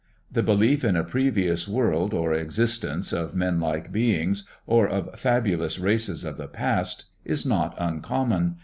The belief in a previous world or existence of men like beings, or of fabu lous races of the past, is not uncommon.